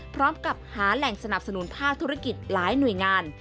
พร้อมกับหาแหล่งสนับสนุนภาคธุรกิจหลายหน่วยงาน